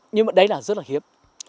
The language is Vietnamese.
nhưng mà đấy là rất là hiếp